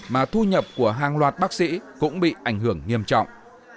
mà thu nhập của hàng loạt bác sĩ cũng bị ảnh hưởng nghiêm trọng